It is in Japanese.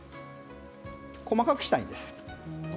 細かくしたいんです。